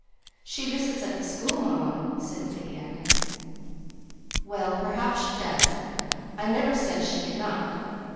"She visits at the school, mamma," said Lady Agnes. "Well, perhaps she does; I never said she did not.